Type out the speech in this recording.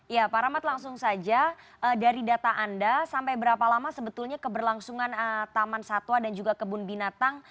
ya pak rahmat langsung saja dari data anda sampai berapa lama sebetulnya keberlangsungan taman satwa dan juga kebun binatang